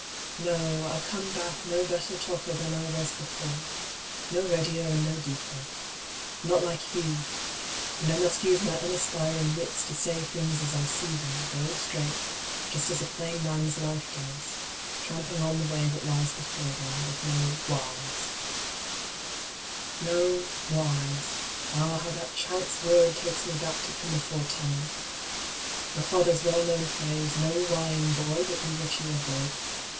No, I come back 96 COMING HOME. no better talker than I was before, no readier and no deeper, not like Hugh, and I must use my unaspiring wits to say things as I see them, going straight; just as a plain man's life does, tramping on the way that lies before one, with no whys. No whys; ah how that chance word takes me back to pinafore time — my father's well known phrase "No whying, boy, but do what you are bid."